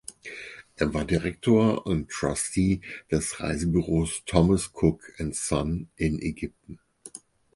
Er war Direktor und Trustee des Reisebüros "Thomas Cook and Son" in Ägypten.